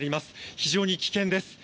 非常に危険です。